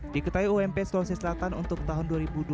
diketahui ump sulawesi selatan untuk tahun dua ribu dua puluh